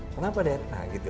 kenapa dad nah gitu